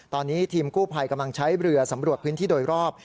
ตอนนี้ทีมกู้ภัยกำลังใช้เรือสำรวจพื้นที่โดยรอบ